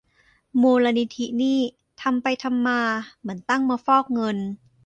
มูลนิธินี่ ทำไปทำมา เหมือนตั้งมาฟอกเงิน !